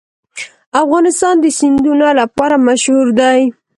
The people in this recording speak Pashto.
افغانستان د سیندونه لپاره مشهور دی.